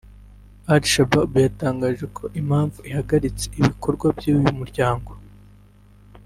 Al-Shabab yatangaje ko impamvu ihagaritse ibikorwa by’uyu muryango